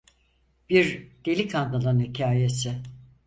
Bir delikanlının hikayesi.